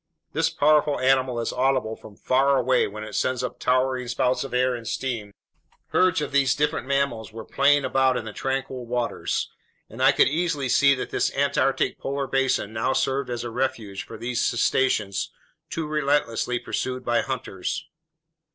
This powerful animal is audible from far away when it sends up towering spouts of air and steam that resemble swirls of smoke. Herds of these different mammals were playing about in the tranquil waters, and I could easily see that this Antarctic polar basin now served as a refuge for those cetaceans too relentlessly pursued by hunters.